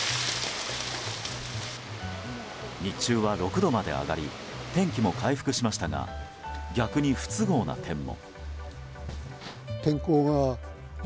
日中は６度まで上がり天気も回復しましたが逆に、不都合な点も。